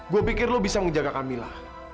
gue pikir lu bisa menjaga camilla